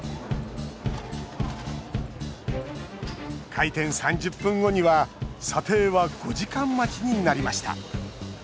開店３０分後には査定は５時間待ちになりました。